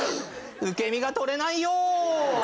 受け身がとれないよ。